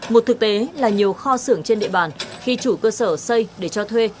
một thực tế là nhiều kho xưởng trên địa bàn khi chủ cơ sở xây để cho thuê